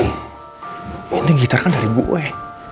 ini gitar kan dari gue